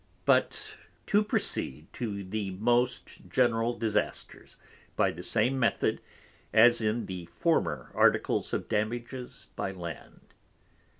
But to proceed to the most general Disasters, by the same Method, as in the former Articles of Damages by Land.